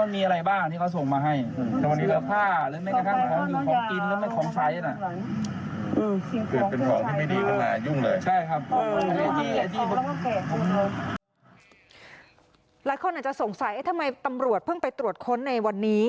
หลายคนอาจจะสงสัยทำไมตำรวจเพิ่งไปตรวจค้นในวันนี้